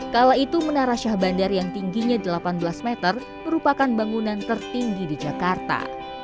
kala itu menara syah bandar yang tingginya delapan belas meter merupakan bangunan tertinggi di jakarta